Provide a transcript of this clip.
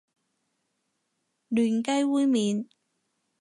嫩雞煨麵